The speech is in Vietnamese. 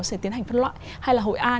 sẽ tiến hành phân loại hay là hội an